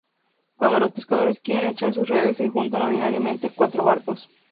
Cuando los pescadores quieren echar sus redes, se juntan ordinariamente cuatro barcos.